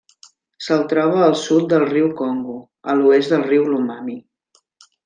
Se'l troba al sud del riu Congo i l'oest del riu Lomami.